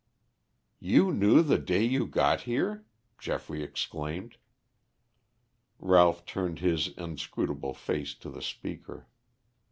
"You knew the day you got here?" Geoffrey exclaimed. Ralph turned his inscrutable face to the speaker.